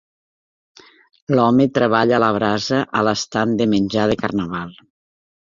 L'home treballa a la brasa a l'estand de menjar de carnaval.